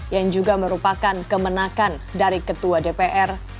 yang juga merupakan kemenakan dari ketua dpr